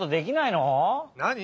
なに？